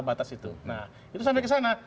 nah itu sampai kesana